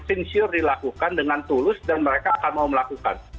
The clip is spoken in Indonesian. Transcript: sinsure dilakukan dengan tulus dan mereka akan mau melakukan